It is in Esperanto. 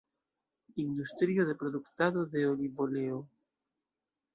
Industrio de produktado de olivoleo.